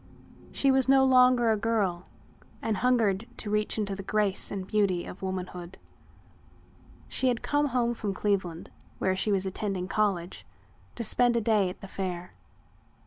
She was no longer a girl and hungered to reach into the grace and beauty of womanhood. She had come home from Cleveland, where she was attending college, to spend a day at the Fair.